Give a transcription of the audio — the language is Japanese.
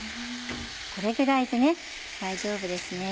これぐらいで大丈夫ですね。